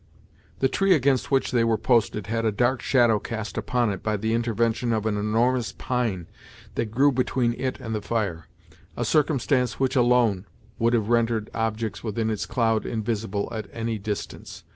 The tree against which they were posted had a dark shadow cast upon it by the intervention of an enormous pine that grew between it and the fire, a circumstance which alone would have rendered objects within its cloud invisible at any distance.